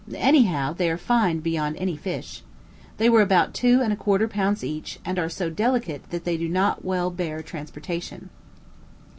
Any how, they are fine beyond any fish. They were about two and a quarter pounds each, and are so delicate that they do not well bear transportation.